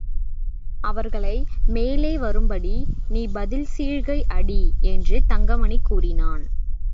அவர்களை மேலே வரும்படி நீ பதில் சீழ்க்கை அடி என்று தங்கமணி கூறினான்.